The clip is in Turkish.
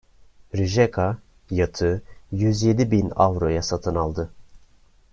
Rijeka yatı yüz yedi bin avroya satın aldı.